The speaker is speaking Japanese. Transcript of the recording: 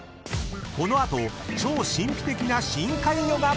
［この後超神秘的な深海魚が！］